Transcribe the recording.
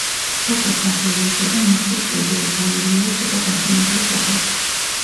სოფელს სახელი ეწოდა მოცვის კულტურის გამო, რომელიც იყო გაშენებული სოფელში.